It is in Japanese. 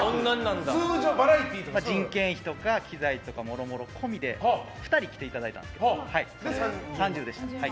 人件費とか機材とかもろもろ込みで２人来ていただいたので３０でした。